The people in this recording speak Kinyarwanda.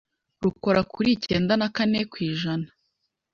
rukora kuri icyenda nakane ku ijana,